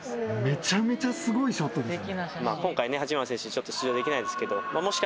めちゃめちゃすごいショットですよね。